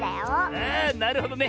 あなるほどね。